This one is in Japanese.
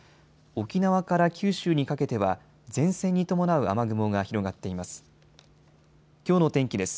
沖縄から九州にかけては前線に伴う雨雲が広がっています。